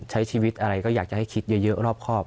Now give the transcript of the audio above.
ใช้ชีวิตอะไรก็อยากจะให้คิดเยอะรอบครอบ